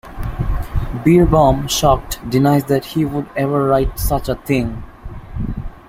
Beerbohm, shocked, denies that he would ever write such a thing.